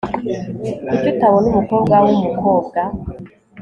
kuki utabona umukobwa wumukobwa